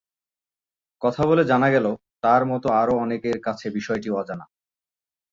কথা বলে জানা গেলে, তার মতো আরও অনেকের কাছে বিষয়টি অজানা।